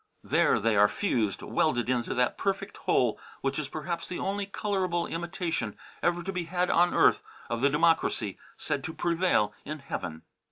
There they are fused, and welded into that perfect whole which is perhaps the only colourable imitation ever to be had on earth of the democracy said to prevail in Heaven.